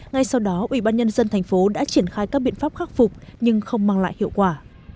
ngay sau đó ubnd tp đã triển khai các biện pháp khắc phục nhưng không mang lại hiệu quả